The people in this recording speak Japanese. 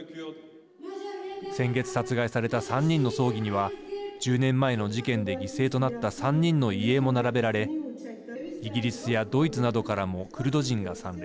先月殺害された３人の葬儀には１０年前の事件で犠牲となった３人の遺影も並べられイギリスやドイツなどからもクルド人が参列。